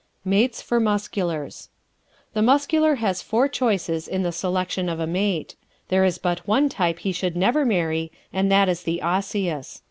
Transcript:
Mates for Musculars ¶ The Muscular has four choices in the selection of a mate. There is but one type he should never marry and that is the Osseous.